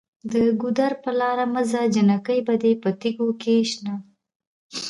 د ګودر په لاره مه ځه جینکۍ به دې په تیږو کې شنه